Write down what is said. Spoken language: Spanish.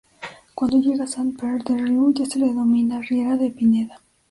Cuando llega a Sant Pere de Riu, ya se le denomina "riera de Pineda".